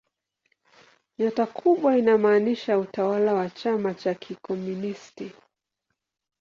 Nyota kubwa inamaanisha utawala wa chama cha kikomunisti.